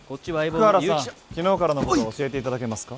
福原さん昨日からのことを教えていただけますか？